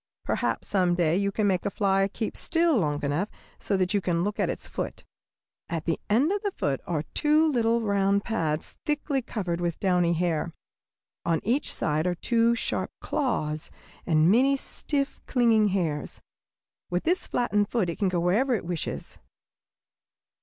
Perhaps some day you can make a fly keep still long enough so that you can look at its foot. At the end of the foot are two little round pads thickly covered with downy hair. On each side are two sharp claws and many stiff, clinging hairs. With this flattened foot it can go wherever it wishes.